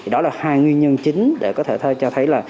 đó là hai nguyên nhân chính để có thể cho thấy là